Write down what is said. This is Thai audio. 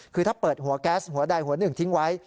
คือถ้าเปิดหัวแก๊สหัวใดหัวหนึ่งทิ้งไว้